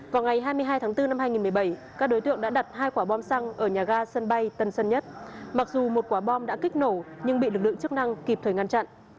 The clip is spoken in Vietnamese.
vào ngày hai mươi hai tháng bốn năm hai nghìn một mươi bảy các đối tượng đã đặt hai quả bom xăng ở nhà ga sân bay tân sân nhất mặc dù một quả bom đã kích nổ nhưng bị lực lượng chức năng kịp thời ngăn chặn